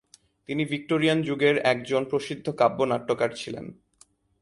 তিনি ভিক্টোরিয়ান যুগের একজন প্রসিদ্ধ কাব্য-নাট্যকার ছিলেন।